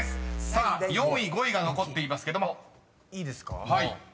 ［さあ４位・５位が残っていますけども］いいですか？